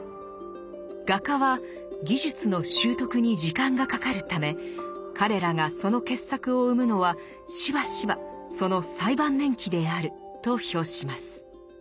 画家は技術の習得に時間がかかるため「彼らがその傑作を産むのはしばしばその最晩年期である」と評します。